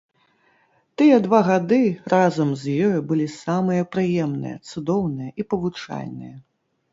Тыя два гады разам з ёю былі самыя прыемныя, цудоўныя і павучальныя.